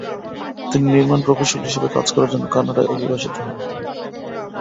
তিনি নির্মাণ প্রকৌশলী হিসেবে কাজ করার জন্য কানাডায় অভিবাসিত হন।